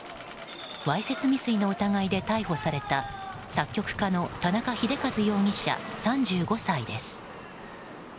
わいせつ未遂の疑いで逮捕された作曲家の田中秀和容疑者３５歳です。